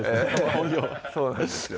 本業はそうなんですよ